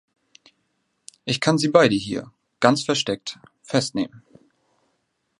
Ich kann Sie beide hier, ganz versteckt, festnehmen.